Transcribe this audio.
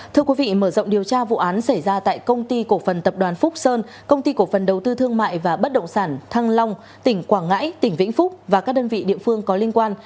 thưa quý vị mở rộng điều tra vụ án xảy ra tại công ty cổ phần tập đoàn phúc sơn công ty cổ phần đầu tư thương mại và bất động sản thăng long tỉnh quảng ngãi tỉnh vĩnh phúc và các đơn vị địa phương có liên quan